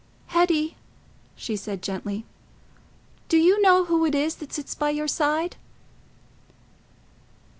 "Hetty," she said gently, "do you know who it is that sits by your side?"